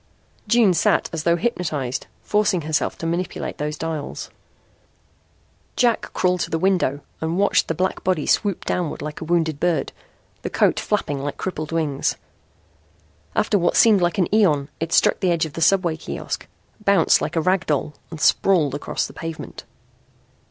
June sat as though hypnotised, forcing herself to manipulate those dials. Jack crawled to the window and watched the black body swoop downward like a wounded bird, the coat flapping like crippled wings. After what seemed an eon it struck the edge of the subway kiosk, bounced like a rag doll and sprawled across the pavement.